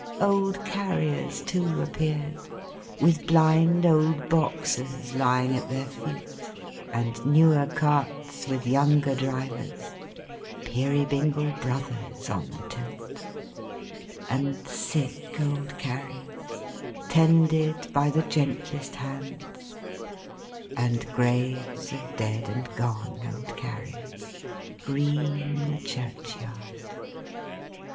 Old Carriers too, appeared, with blind old Boxers lying at their feet; and newer carts with younger drivers ("Peerybingle Brothers" on the tilt); and sick old Carriers, tended by the gentlest hands; and graves of dead and gone old Carriers, green in the churchyard.